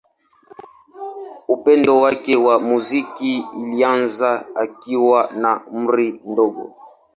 Upendo wake wa muziki ulianza akiwa na umri mdogo.